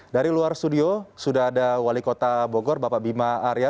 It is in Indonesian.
dari luar studio sudah ada wali kota bogor bapak bima arya